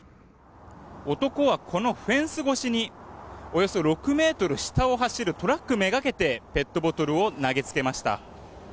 男は、このフェンス越しにおよそ６ｍ下を走るトラックめがけてペットボトルを投げつけました。